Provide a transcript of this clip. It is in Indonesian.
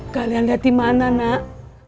kalian lihat dimana nak